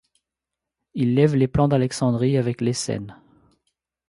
Il lève les plans d'Alexandrie avec Lecesne.